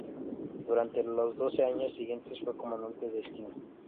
Durante los doce años siguientes fue comandante de Esquina.